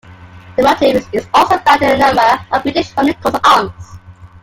The motif is also found in a number of British family coats of arms.